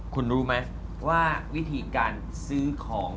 คุณรู้ไหมว่าวิธีการซื้อของ